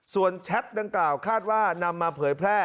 ส่วนแชทดังกล่าวคาดว่านำมาเผยแพร่